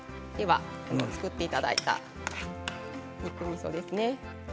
作っていただいた肉みそですね。